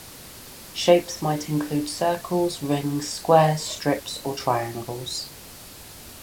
Shapes might include circles, rings, squares, strips or triangles.